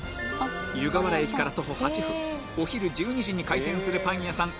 湯河原駅から徒歩８分お昼１２時に開店するパン屋さん